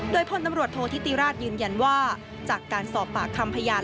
โดยพลตำรวจโทษธิติราชยืนยันว่าจากการสอบปากคำพยาน